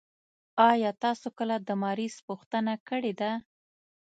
آيا تاسو کله د مريض پوښتنه کړي ده؟